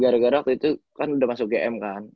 gara gara waktu itu kan udah masuk gm kan